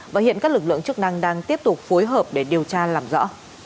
và hiện các lực lượng chức năng đang tiếp tục phối hợp để điều tra làm rõ